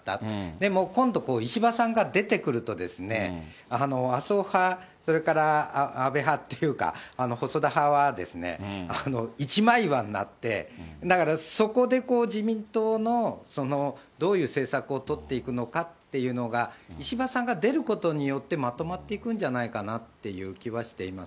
でも今度石破さんが出てくるとですね、麻生派、それから安倍派っていうか、細田派はですね、一枚岩になって、だからそこで自民党のどういう政策を取っていくのかっていうのが、石破さんが出ることによって、まとまっていくんじゃないかなっていう気はしています。